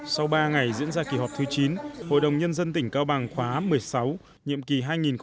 sau ba ngày diễn ra kỳ họp thứ chín hội đồng nhân dân tỉnh cao bằng khóa một mươi sáu nhiệm kỳ hai nghìn một mươi sáu hai nghìn hai mươi một